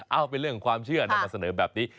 เอาเป็นเรื่องของความเชื่อนำมาเสนอแบบนี้